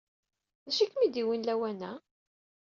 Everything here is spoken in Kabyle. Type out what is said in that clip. D acu ay kem-id-yewwin lawan-a?